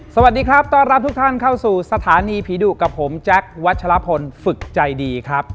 สวัสดีครับต้อนรับทุกท่านเข้าสู่สถานีผีดุกับผมแจ๊ควัชลพลฝึกใจดีครับ